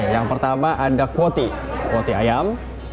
yang pertama ada kuotie kuotie ayam